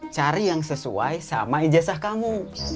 cari yang sesuai sama ijazah kamu